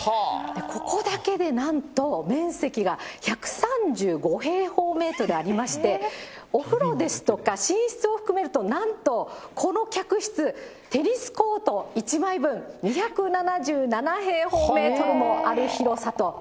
ここだけでなんと、面積が１３５平方メートルありまして、お風呂ですとか寝室を含めると、なんとこの客室、テニスコート１枚分、２７７平方メートルもある広さと。